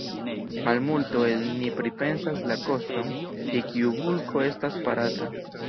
Malmulto el ni pripensas la koston je kiu bulko estas farata.